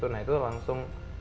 nah itu langsung